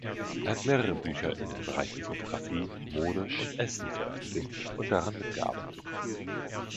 Er hat mehrere Bücher in den Bereichen Fotografie, Mode und Essen veröffentlicht und daran mitgearbeitet.